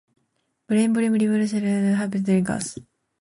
Brain volume reductions in adolescent heavy drinkers.